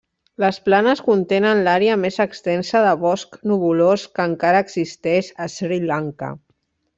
Les planes contenen l'àrea més extensa de bosc nuvolós que encara existeix a Sri Lanka.